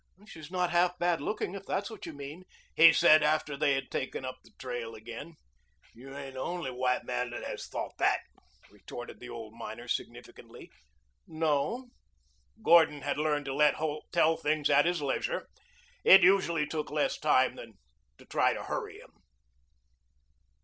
"She's not bad looking if that's what you mean," he said after they had taken up the trail again. "You ain't the only white man that has thought that," retorted the old miner significantly. "No?" Gordon had learned to let Holt tell things at his leisure. It usually took less time than to try to hurry him.